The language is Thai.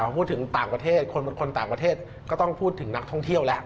พูดถึงต่างประเทศคนต่างประเทศก็ต้องพูดถึงนักท่องเที่ยวแล้ว